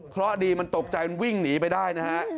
เพราะดีมันตกใจมันวิ่งหนีไปได้นะฮะ